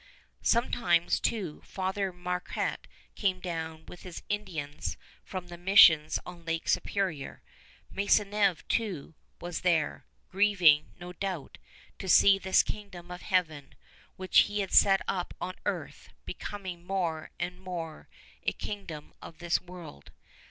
Sometimes, too, Father Marquette came down with his Indians from the missions on Lake Superior. Maisonneuve, too, was there, grieving, no doubt, to see this Kingdom of Heaven, which he had set up on earth, becoming more and more a kingdom of this world.